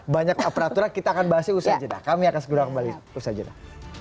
banyak aparatura kita akan bahasnya usaha jenah kami akan segera kembali usaha jenah